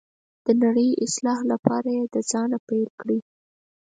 د نړۍ اصلاح لپاره یې د ځانه پیل کړئ.